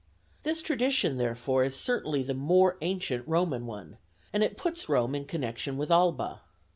This tradition therefore is certainly the more ancient Roman one; and it puts Rome in connection with Alba.